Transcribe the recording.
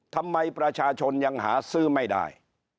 ทำไมประชาชนยังหาซื้อไม่ได้